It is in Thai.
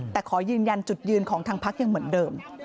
แต่ขอยืนยันจุดยืนของทางพักยังเหมือนเดิม